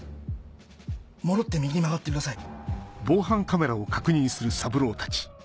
戻って右に曲がってください。